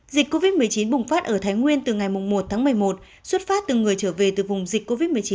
dịch covid một mươi chín bùng phát ở thái nguyên từ ngày một tháng một mươi một xuất phát từ người trở về từ vùng dịch covid một mươi chín